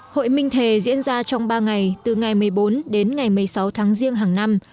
hội minh thề diễn ra trong ba ngày từ ngày một mươi bốn đến ngày một mươi sáu tháng riêng hàng năm